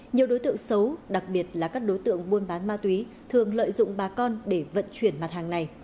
nhiều đối tượng xấu đặc biệt là các đối tượng buôn bán ma túy thường lợi dụng bà con để vận chuyển mặt hàng này